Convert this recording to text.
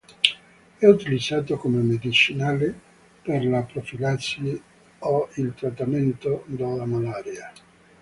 È utilizzato come medicinale per la profilassi o il trattamento della malaria.